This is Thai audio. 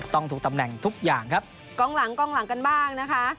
ตราบกล่องหลังกันบ้างนะคะ